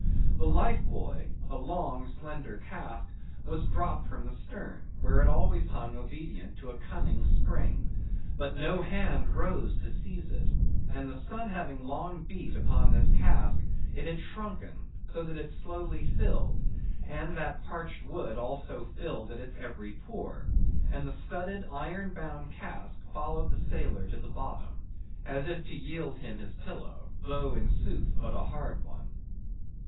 The life buoy—a long slender cask—was dropped from the stern, where it always hung obedient to a cunning spring; but no hand rose to seize it, and the sun having long beat upon this cask it had shrunken, so that it slowly filled, and that parched wood also filled at its every pore; and the studded iron bound cask followed the sailor to the bottom, as if to yield him his pillow, though in sooth but a hard one.